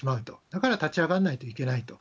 だから立ち上がらないといけないと。